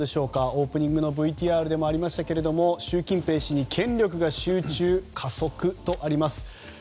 オープニングのＶＴＲでもありましたけれども習近平氏に権力が集中加速とあります。